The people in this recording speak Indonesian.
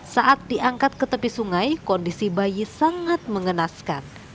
saat diangkat ke tepi sungai kondisi bayi sangat mengenaskan